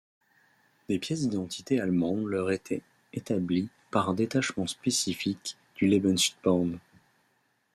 Des pièces d’identité allemandes leur étaient établies par un détachement spécifique du Lebensborn.